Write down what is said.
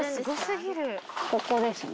ここですね。